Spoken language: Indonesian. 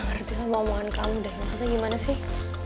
ngerti sama omongan kamu deh maksudnya gimana sih